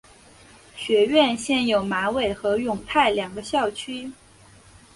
学院现有马尾和永泰两个校区。